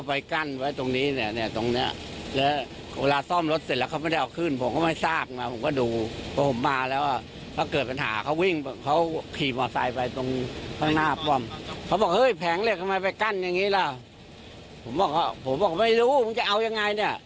ผมบอกว่าไม่รู้มันจะเอายังไง